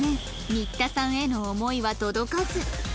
新田さんへの思いは届かず